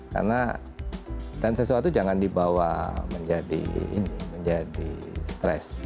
karena dan sesuatu jangan dibawa menjadi ini menjadi stres